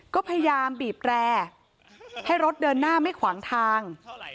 ก็พยายามบีบแร่ให้รถเดินหน้าไม่ขวางทาง